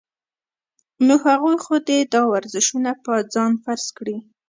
نو هغوي خو دې دا ورزشونه پۀ ځان فرض کړي -